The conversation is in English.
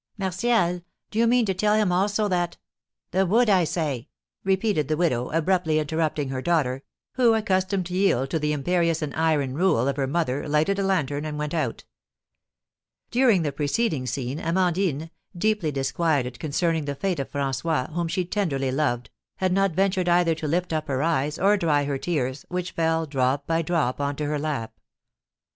"Martial! Do you mean to tell him also that " "The wood, I say!" repeated the widow, abruptly interrupting her daughter, who, accustomed to yield to the imperious and iron rule of her mother, lighted a lantern, and went out. During the preceding scene, Amandine, deeply disquieted concerning the fate of François, whom she tenderly loved, had not ventured either to lift up her eyes, or dry her tears, which fell, drop by drop, on to her lap.